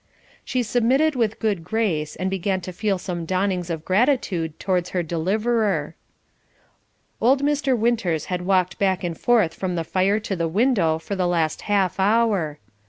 She submitted with good grace, and began to feel some dawnings of gratitude towards her deliverer. Old Mr. Winters had walked back and forth from the fire to the window for the last half hour.